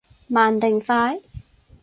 慢定快？